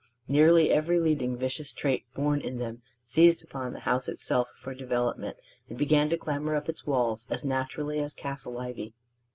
Nearly every leading vicious trait born in them seized upon the house itself for development, and began to clamber up its walls as naturally as castle ivy.